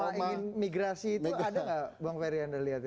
kalau ingin migrasi itu ada nggak bang ferry anda lihat ya